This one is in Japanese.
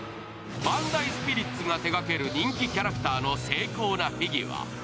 バンダイスピリッツが手掛ける人気キャラクターの精巧なフィギュア。